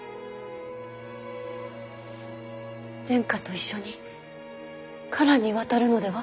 殿下と一緒に唐に渡るのでは？